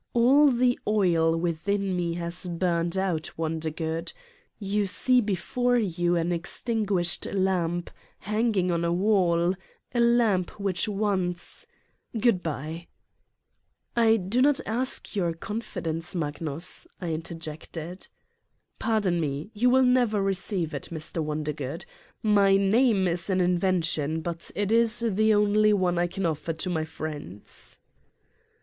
All the oil within me has burned out, Wondergood. You see before you an extin guished lamp hanging on a wall, a lamp which once Goodbye. " "I do not ask your confidence, Magnus," I in terjected. "Pardon me, you will never receive it, Mr. Won dergood. My name is an invention but it is the only one I can offer to my friends.